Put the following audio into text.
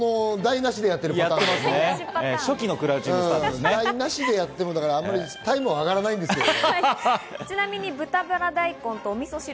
台なしでやってもあんまりタイムは上がらないんだけどね。